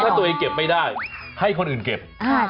ถ้าตัวเองเก็บไม่ได้ให้คนอื่นเก็บ